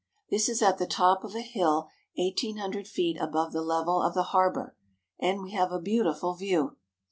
This is at the top of a hill eighteen hundred feet above the level of the harbor, and we have a beautiful view.